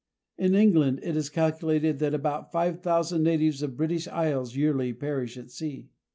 In England it is calculated that about 5000 natives of the British Isles yearly perish at sea.